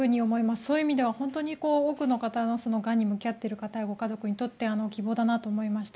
そういう意味では本当に多くの方ががんに向き合っている方ご家族にとって希望だなと思いました。